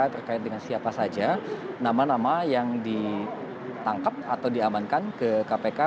terkait dengan siapa saja nama nama yang ditangkap atau diamankan ke kpk